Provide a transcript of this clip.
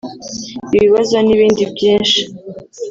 ibibazo n’ibindi byinshi